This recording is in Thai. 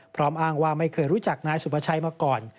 พร้อมอ้างว่าไม่เคยรู้จักนายสุภาชัยมาก่อน